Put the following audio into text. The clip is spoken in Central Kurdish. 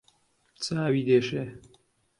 چاوی دێشێ